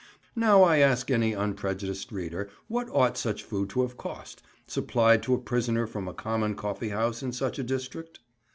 Now I ask any unprejudiced reader what ought such food to have cost, supplied to a prisoner from a common coffee house in such a district?